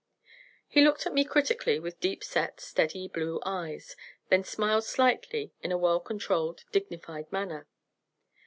He looked at me critically with deep set, steady blue eyes, then smiled slightly in a well controlled, dignified manner.